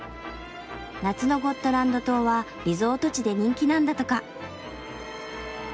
夏のゴットランド島はリゾート地で人気なんだとか。